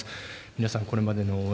皆さん、これまでの応援